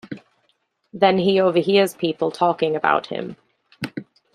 Then he overhears people talking about him.